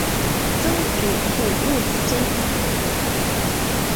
曾祖父陆子真。